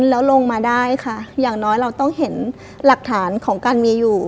แล้วลงมาได้ค่ะอย่างน้อยเราต้องเห็นหลักฐานของการมีอยู่